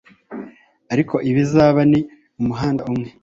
ariko ibizaba ni umuhanda umwe